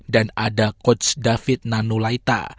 dan ada coach david nanulaita